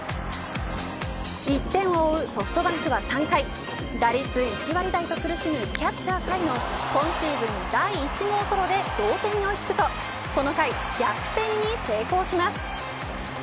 １点を追うソフトバンクは３回打率１割台と苦しむキャッチャー甲斐の今シーズン第１号ソロで同点に追い付くとこの回逆転に成功します。